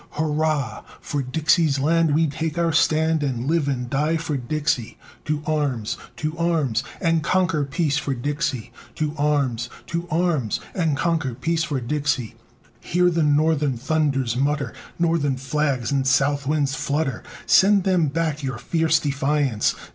hurrah! For Dixie's land we take our stand, And live and die for Dixie! To arms! To arms! And conquer peace for Dixie! To arms! To arms! And conquer peace for Dixie! Hear the Northern thunders mutter! Northern flags in South winds flutter! Send them back your fierce defiance!